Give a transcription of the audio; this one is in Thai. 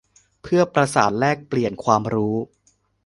เพื่อประสานแลกเปลี่ยนความรู้